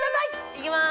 いきます！